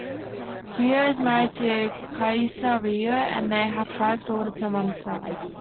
Rio is married to Kaisa Rio, and they have five daughters and one son.